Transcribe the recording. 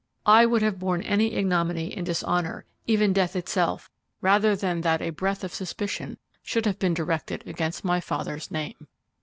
I would have bourne any ignominy and dishonor, even death itself, rather than that a breath of suspicion should have been directed against my father's name."